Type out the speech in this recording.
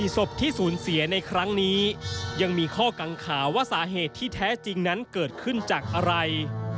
ศพที่ศูนย์เสียในครั้งนี้ยังมีข้อกังขาว่าสาเหตุที่แท้จริงนั้นเกิดขึ้นจากอะไร